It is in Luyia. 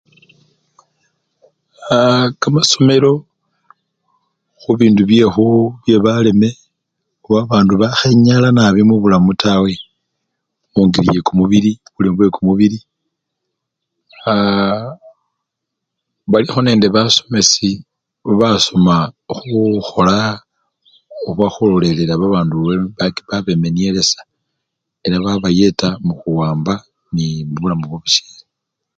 Aaa! kamasomelo khubindu byekhuu! byebaleme oba babandu bakhenyala nabi mubulanu tawe, mungeli yekumubili buleme bwekumubili aaa! balikho nende basomesi babasoma khukhola oba khulolelela ababandu be! babemenyelesya ne babayeta mukhuwamba nemubulamu bwabusyele.